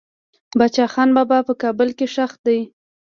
باچا خان بابا په کابل کې خښ دي.